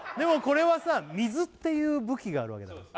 これはさ水っていう武器があるわけだから